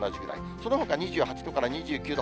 そのほか２８度から２９度。